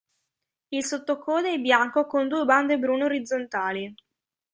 Il sottocoda è bianco con due bande brune orizzontali.